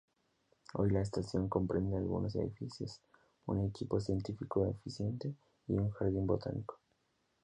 Hoy la estación comprende algunos edificios, un equipo científico eficiente y un jardín botánico.